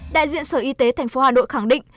đại diện sở y tế thành phố hà nội khẳng định